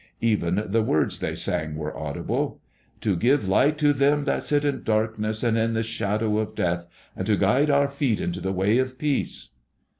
Even the words they sang were audible :" To give light to them that sit in darkness and in the shadow of death, and to guide our feet into the way of peace."